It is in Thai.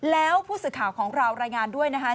แล้วพูดสิทธิ์ข่าวของเรารายงานด้วยนะฮะ